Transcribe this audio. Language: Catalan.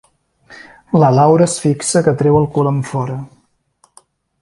La Laura es fixa que treu el cul enfora.